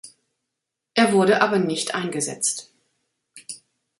Er wurde aber nicht eingesetzt.